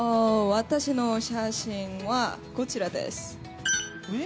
私の写真は、こちらです。